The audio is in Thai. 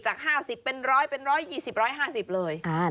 จาก๕๐เป็น๑๐๐เป็น๑๒๐๑๕๐เลย